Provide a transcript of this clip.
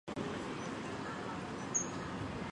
防空火力比起完工时已大幅提高。